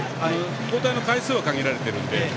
交代の回数は限られているんで。